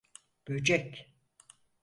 Böcek…